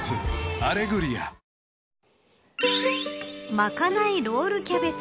巻かないロールキャベツ。